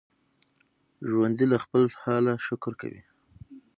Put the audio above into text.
ژوندي له خپل حاله شکر کوي